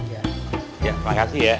ya terima kasih ya